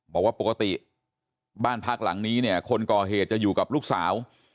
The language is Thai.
บอกว่าปกติบ้านพักหลังนี้เนี่ยคนก่อเหตุจะอยู่กับลูกสาว